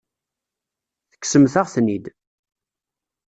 Tekksemt-aɣ-ten-id.